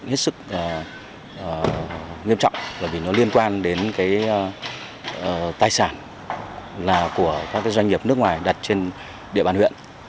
hết sức nghiêm trọng vì nó liên quan đến tài sản của các doanh nghiệp nước ngoài đặt trên địa bàn huyện